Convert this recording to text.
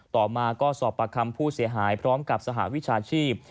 ต่อมาก็สอบประคำผู้เสียหายพร้อมกับสหวิชาชีพ